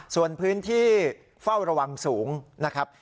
ส่วนพื้นที่เฝ้าระวังสูงนะครับ